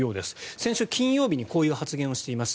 先週金曜日にこういう発言をしています。